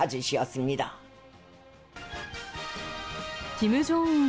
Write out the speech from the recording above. キム・ジョンウン